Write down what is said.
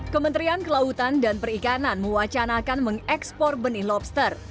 kementerian kelautan dan perikanan mewacanakan mengekspor benih lobster